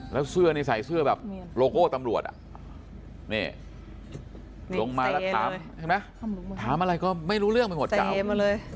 แล้วเสื้อใส่เสื้อแบบโลโก้ตำรวจลงมาแล้วตามถามอะไรก็ไม่รู้เรื่องไปหมดจ๋าว